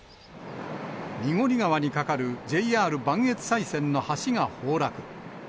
濁川に架かるＪＲ磐越西線の橋が崩落。